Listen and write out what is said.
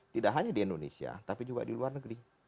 tidak hanya di indonesia tapi juga di luar negeri